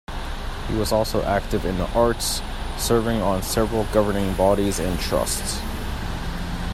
He was also active in the arts, serving on several governing bodies and trusts.